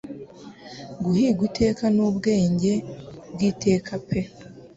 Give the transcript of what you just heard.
Guhigwa iteka n'ubwenge bw'iteka pe -